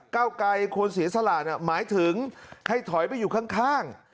เก้าไกรควรเสียสละหมายถึงให้ถอยไปอยู่ข้าง